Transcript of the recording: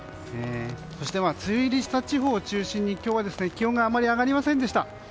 そして梅雨入りした地方を中心に今日はあまり気温が上がりませんでした。